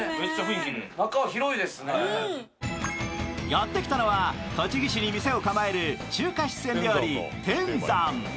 やってきたのは栃木市に店を構える中華四川料理天山。